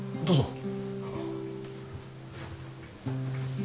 どうぞ。